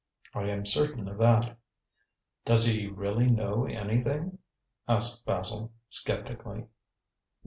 I am certain of that." "Does he really know anything?" asked Basil, sceptically.